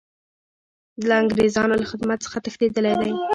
له انګریزانو له خدمت څخه تښتېدلی دی.